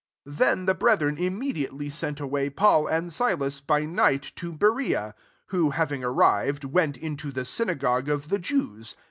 10 Then the brethren imme diately sent away Paul and Si las, by night, to Berea r who, having arrived, went into the synagogue of the Jews.